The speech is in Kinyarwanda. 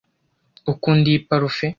Ukunda iyi parufe?